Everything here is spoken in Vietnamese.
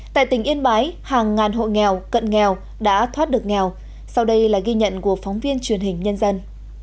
tại tỉnh yên bái hàng ngàn hộ nghèo cận nghèo đã thoát được nghèo sau đây là ghi nhận của phóng viên truyền hình nhân dân